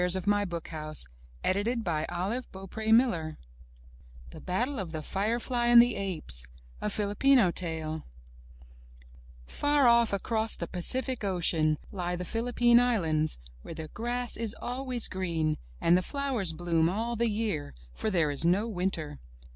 8t M Y BOOK HOUSE THE BATTLE OF THE FIREFLY AND THE APES* A Filipino Tale Far off across the Pacific Ocean, lie the Philippine Islands, where the grass is always green and the flowers bloom all the year, for there is no winter.